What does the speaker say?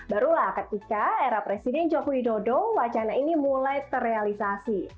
barulah ketika era presiden joko widodo wacana ini mulai terrealisasi